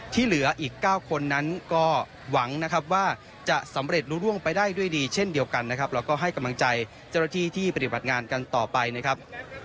ที่เหลืออีก๙คนนั้นก็หวังนะครับว่าจะสำเร็จรู้ร่วมไปได้ด้วยดีเช่นเดียวกันนะครับ